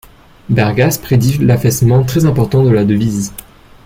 Bergasse prédit l’affaissement très important de la devise.